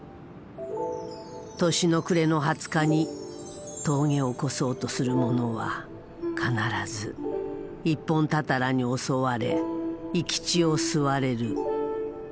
年の暮れの２０日に峠を越そうとする者は必ず一本たたらに襲われ生き血を吸われる。